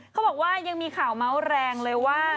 เขาบอกว่ายังมีข่าวเมาส์แรงเลยว่า